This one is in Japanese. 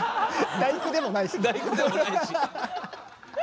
「第９」でもないし。